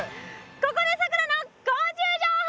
ここでさくらの昆虫情報！